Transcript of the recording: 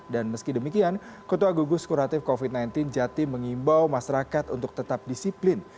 dan meski demikian ketua gugus kuratif covid sembilan belas jati mengimbau masyarakat untuk tetap disiplin